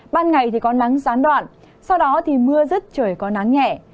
ban ngày có nắng gián đoạn sau đó mưa dứt trời có nắng nhẹ